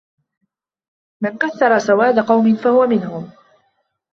مَنْ كَثَّرَ سَوَادَ قَوْمٍ فَهُوَ مِنْهُمْ